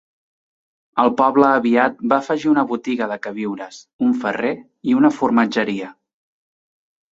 El poble aviat va afegir una botiga de queviures, un ferrer i una formatgeria.